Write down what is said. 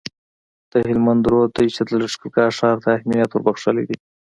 د هلمند رود دی چي د لښکرګاه ښار ته یې اهمیت وربخښلی دی